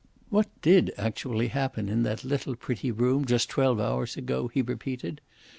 "What did actually happen in that little pretty room, just twelve hours ago?" he repeated.